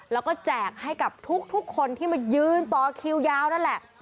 แล้วก็แจกให้กับทุกคนที่มายืนต่อคิวยาวนั่นแหละ